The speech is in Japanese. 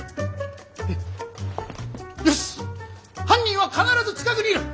よし犯人は必ず近くにいる。